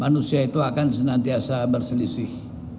manusia itu akan senantiasa berselisih